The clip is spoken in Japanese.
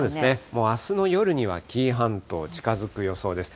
もうあすの夜には、紀伊半島、近づく予想です。